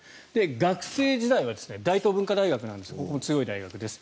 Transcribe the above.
学生時代は大東文化大学ですが強い大学です。